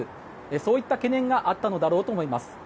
そういった懸念があったのだろうと思います。